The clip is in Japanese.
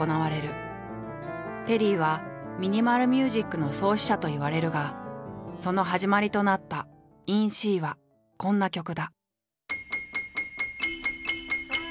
テリーはミニマル・ミュージックの創始者といわれるがその始まりとなった「ＩｎＣ」はこんな曲だ。